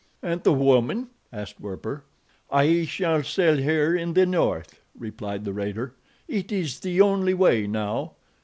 "And the woman?" asked Werper. "I shall sell her in the north," replied the raider. "It is the only way, now.